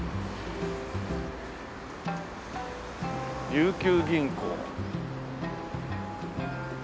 琉球銀行。